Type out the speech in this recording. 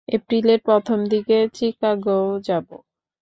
এপ্রিলের প্রথম দিকে চিকাগোয় যাব।